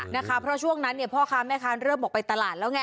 นะคะเพราะช่วงนั้นเนี่ยพ่อค้าแม่ค้าเริ่มออกไปตลาดแล้วไง